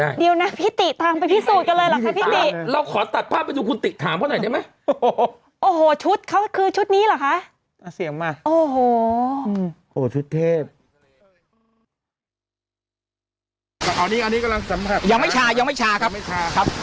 อันนี้กำลังสัมผัสยังไม่ชายังไม่ชาครับไม่ชาครับ